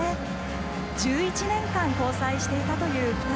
１１年間交際していたという２人。